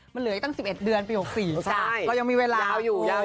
มันเหลือให้ตั้งสิบเอ็ดเดือนปีหกสี่ใช่เรายังมีเวลายาวอยู่ยาวอยู่